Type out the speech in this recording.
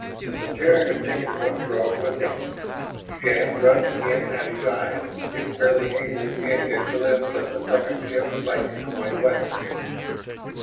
The Terran had taken one Throg with him. Shann rubbed again at his eyes, just barely able to catch a glimpse of the second ship flashing away westward.